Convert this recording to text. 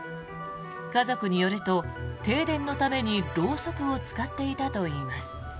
家族によると停電のためにろうそくを使っていたといいます。